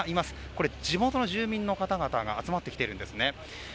これ、地元の住民の方々が集まってきているんですね。